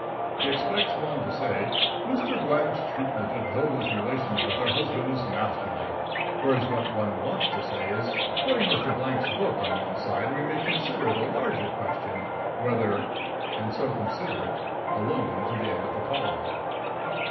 He expects one to say, "Mr. Blank's treatment of Hilda's relations with her husband is masterly," whereas what one wants to say is, "Putting Mr. Blank's book on one side, we may consider the larger question, whether " and so consider it (alone) to the end of the column.